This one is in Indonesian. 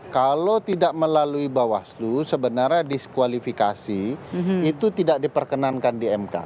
kalau tidak melalui bawaslu sebenarnya diskualifikasi itu tidak diperkenankan di mk